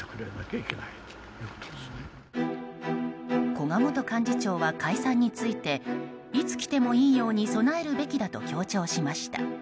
古賀元幹事長は解散についていつ来てもいいように備えるべきだと強調しました。